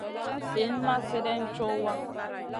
Liyn ma slèdeyn co wa.